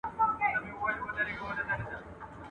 o کارگه د زرکي تگ کا وه خپل هغې ئې هېر سو.